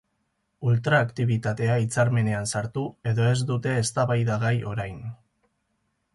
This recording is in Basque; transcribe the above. Ultraaktibitatea hitzarmenean sartu edo ez dute eztabaidagai orain.